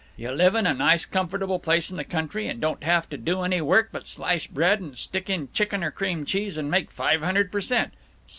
You live in a nice comfortable place in the country and don't have to do any work but slice bread and stick in chicken or cream cheese, and make five hundred per cent.